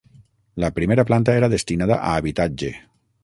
La primera planta era destinada a habitatge.